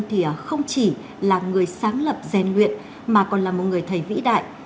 thì không chỉ là người sáng lập rèn luyện mà còn là một người thầy vĩ đại